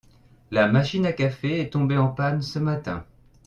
La machine à café est tombée en panne ce matin.